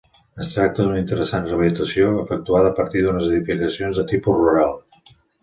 Es tracta d'una interessant rehabilitació efectuada a partir d'unes edificacions de tipus rural.